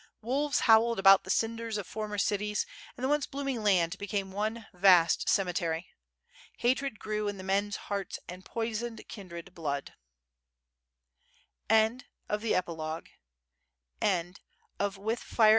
Wolves howled about the cinders of former cities, and the once bloooning land became one vast cemetery. Hatred grew in the men's hearts and poisoned kindred blood. HENRY ALTEMUS' PUBLICATIONa PHIIiABELPHIA.